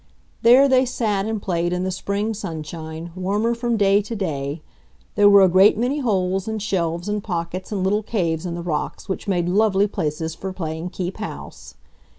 There they sat and played in the spring sunshine, warmer from day to day. There were a great many holes and shelves and pockets and little caves in the rocks which made lovely places for playing keep house.